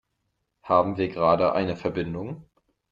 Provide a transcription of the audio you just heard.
Haben wir gerade eine Verbindung?